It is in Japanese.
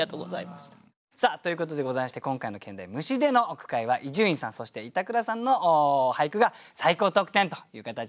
ということでございまして今回の兼題「虫」での句会は伊集院さんそして板倉さんの俳句が最高得点という形になりました。